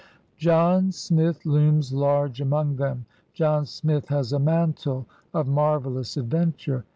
John Smith looms large among them. John Smith has a mantle of marvelous adventure.